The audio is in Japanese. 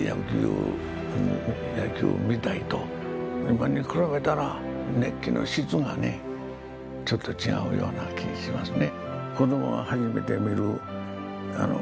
今に比べたら熱気の質がねちょっと違うような気がしますね。